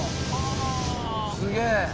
すげえ。